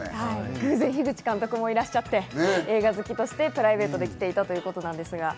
偶然、樋口監督もいらっしゃって、映画好きとしてプライベートで来てたということです。